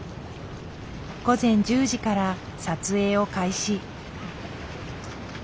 午前１０時から撮影を開始。